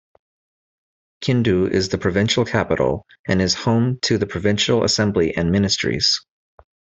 Kindu is the provincial capital and is home to the provincial assembly and ministries.